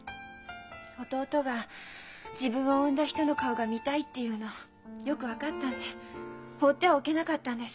弟が「自分を産んだ人の顔が見たい」って言うのよく分かったんで放ってはおけなかったんです。